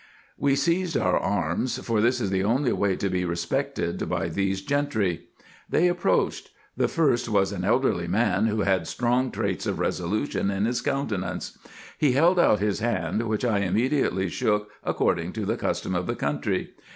We seized our arms, for this is the only way to be respected by these gentry. They approached. — The first was an elderly man, who had strong traits of resolution in his countenance. He held out his hand, which I immediately shook according to the custom of the country.